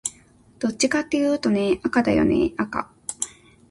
どっちかっていうとね、赤だよね赤